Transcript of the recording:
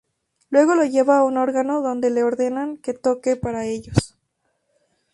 Luego, lo llevan a un órgano donde le ordenan que toque para ellos.